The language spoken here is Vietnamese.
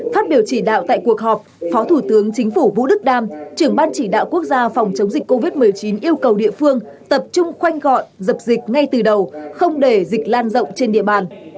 phát biểu chỉ đạo tại cuộc họp phó thủ tướng chính phủ vũ đức đam trưởng ban chỉ đạo quốc gia phòng chống dịch covid một mươi chín yêu cầu địa phương tập trung khoanh gọn dập dịch ngay từ đầu không để dịch lan rộng trên địa bàn